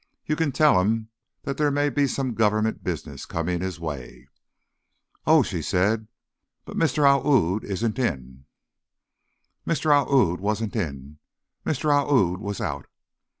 "You can tell him that there may be some government business coming his way." "Oh," she said. "But Mr. Aoud isn't in." Mr. Aoud wasn't in. Mr. Aoud was out.